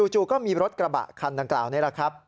จู่ก็มีรถกระบะคันดังกล่าวนี่แหละครับ